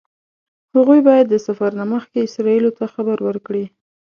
هغوی باید د سفر نه مخکې اسرائیلو ته خبر ورکړي.